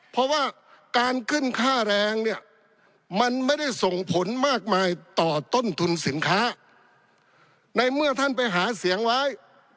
เพราะว่าการขึ้นค่าแรงเนี่ยมันไม่ได้ส่งผลมากมายต่อต้นทุนสินค้าในเมื่อท่านไปหาเสียงไว้